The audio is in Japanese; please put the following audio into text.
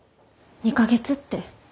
２か月って。